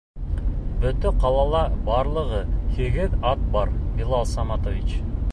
Бөтә ҡалала барлығы һигеҙ ат бар, Билал Саматович.